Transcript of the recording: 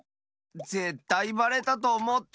ぜったいばれたとおもった！